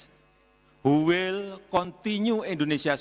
yang akan teruskan komitmen indonesia